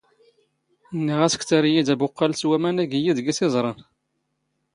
ⵏⵏⵉⵖ ⴰⵙ ⴽⵜⴰⵔ ⵉⵢⵉ ⴷ ⴰⴱⵓⵇⵇⴰⵍ ⵙ ⵡⴰⵎⴰⵏ ⵉⴳ ⵉⵢⵉ ⴷ ⴳⵉⵙ ⵉⵥⵕⴰⵏ!